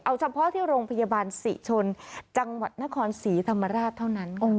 เอาเฉพาะที่โรงพยาบาลศรีชนจังหวัดนครศรีธรรมราชเท่านั้น